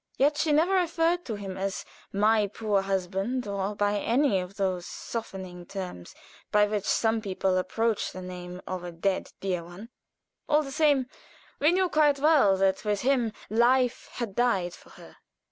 Yet she never referred to him as "my poor husband," or by any of those softening terms by which some people approach the name of a dead dear one; all the same we knew quite well that with him life had died for her.